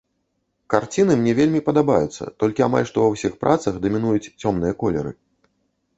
Карціны мне вельмі падабаюцца, толькі амаль што ва ўсіх працах дамінуюць цёмныя колеры.